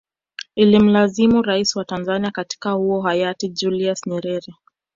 Ilimlazimu rais wa Tanzanzia wakati huo hayati Julius Nyerere